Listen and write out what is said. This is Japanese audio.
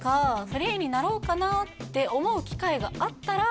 「フリーになろうかなって思う機会があったら」